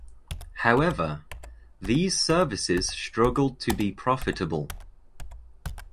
However, these services struggled to be profitable.